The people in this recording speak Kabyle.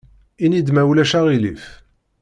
Ini-d ma ulac aɣilif.